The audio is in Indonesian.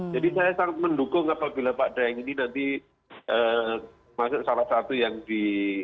jadi saya sangat mendukung apabila pak dain ini nanti salah satu yang di